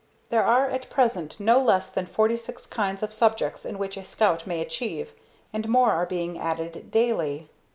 There are at present no less than forty six kinds of subjects in which a Scout may achieve, and more are being added daily.